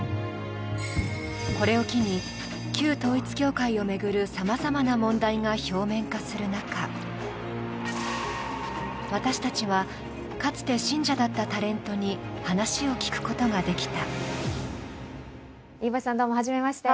これを機に、旧統一教会を巡るさまざまな問題が表面化する中、私たちは、かつて信者だったタレントに話を聞くことができた。